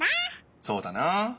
そうだな。